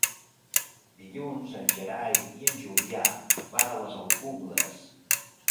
Dilluns en Gerai i en Julià van a les Alcubles.